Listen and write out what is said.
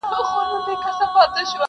وجود شراب شراب نشې نشې لرې که نه,